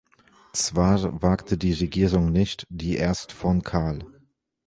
Zwar wagte die Regierung nicht, die erst von Karl.